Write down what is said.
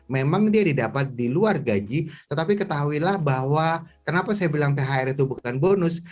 memang dia didapat di luar gaji tetapi ketahuilah bahwa kenapa saya bilang thr itu bukan bonus